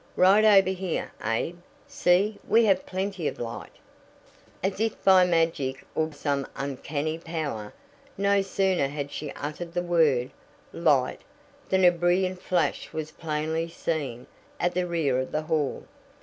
Right over here, Abe. See, we have plenty of light " As if by magic, or some uncanny power, no sooner had she uttered the word "light" than a brilliant flash was plainly seen at the rear of the hall.